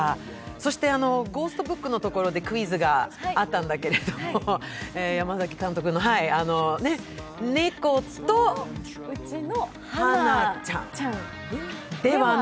そして「ゴーストブック」のところでクイズがあったんだけど山崎監督の、猫とうちのはなちゃん。